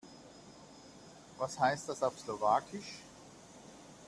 Was heißt das auf Slowakisch?